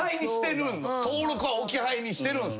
登録は置き配にしてるんすけど。